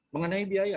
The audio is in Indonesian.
adalah mengenai biaya